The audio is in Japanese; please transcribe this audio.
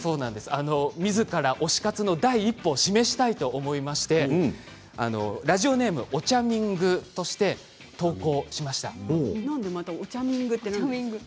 みずから推し活の第一歩を示したいと思いましてラジオネームおちゃみんぐとしておちゃみんぐって何で？